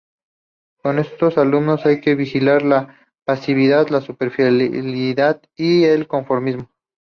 Con estos alumnos hay que vigilar la pasividad, la superficialidad y el conformismo.